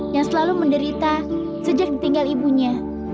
yang selalu menderita sejak ditinggal ibunya